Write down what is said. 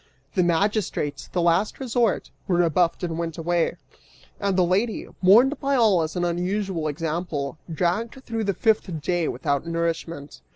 The magistrates, the last resort, were rebuffed and went away, and the lady, mourned by all as an unusual example, dragged through the fifth day without nourishment.